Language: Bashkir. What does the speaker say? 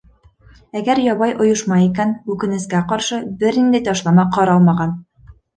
Әгәр ябай ойошма икән, үкенескә ҡаршы, бер ниндәй ташлама ҡаралмаған.